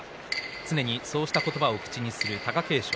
常にそうした言葉を口にする貴景勝。